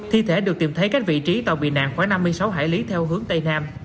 thi thể được tìm thấy cách vị trí tàu bị nạn khoảng năm mươi sáu hải lý theo hướng tây nam